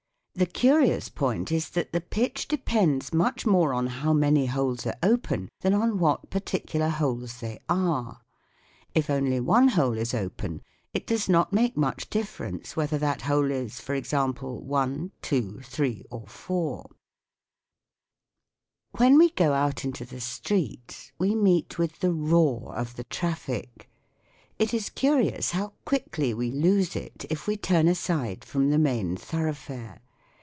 The curious point is that the pitch depends much more on how many holes are open, than on what particular holes they are. If only one hole is open it does not make much difference whether that hole is, for example, i, 2, 3, or 4. When we go out into the street we meet with the roar of the traffic. It is curious how quickly we lose it if we turn aside from the main thoroughfare.